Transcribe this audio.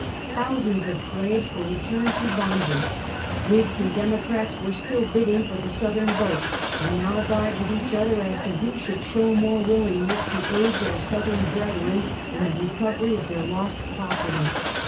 Thousands of slaves were returned to bondage. Whigs and Democrats were still bidding for the Southern vote, and now vied with each other as to who should show most willingness to aid their Sonthern brethren in the recovery of their lost property.